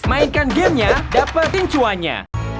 mainkan gamenya dapat pincuannya